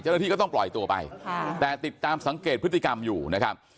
เจ้าหน้าที่ก็ต้องปล่อยตัวไปแต่ติดตามสังเกตพฤติกรรมอยู่นะครับ